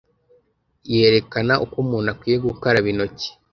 yerekana uko umuntu akwiye gukaraba intoki.